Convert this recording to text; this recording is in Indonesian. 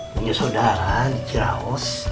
punya saudara di ciraos